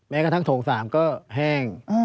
แม้กระทั่งโถงสามก็แห้ง